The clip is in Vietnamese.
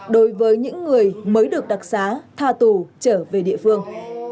đối với những người mới được đặc xá tha tù trở về địa phương